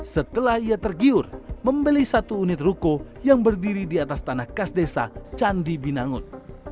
setelah ia tergiur membeli satu unit ruko yang berdiri di atas tanah kas desa candi binangun